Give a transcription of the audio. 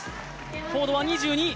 高度は２２。